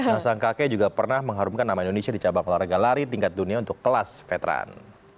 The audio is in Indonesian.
nah sang kakek juga pernah mengharumkan nama indonesia di cabang olahraga lari tingkat dunia untuk kelas veteran